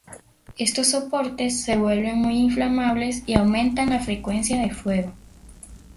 Estos soportes se vuelven muy inflamable y aumentan la frecuencia de fuego.